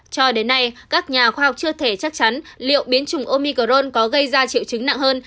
cho đến nay các nhà khoa học chưa thể chắc chắn liệu biến chủng omicron có gây ra triệu chứng nặng hơn